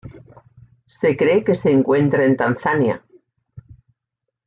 Se cree que se encuentra en Tanzania.